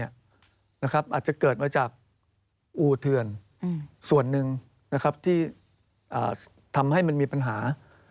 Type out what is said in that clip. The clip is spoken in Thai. อาจจะเกิดมาจากอู่เถื่อนส่วนหนึ่งที่ทำให้มันมีปัญหา